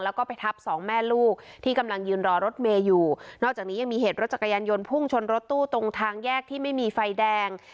แล้วก็ไปทับสองแม่ลูกที่กำลังยืนรอรถเมย์อยู่นอกจากนี้ยังมีเหตุรถจักรยานยนต์พุ่งชนรถตู้ตรงทางแยกที่ไม่มีไฟแดง